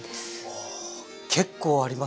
お結構ありますね。